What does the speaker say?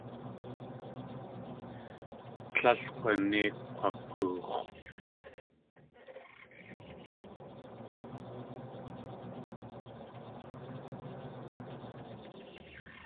Tlél g̲unéi kg̲wak̲oox̲.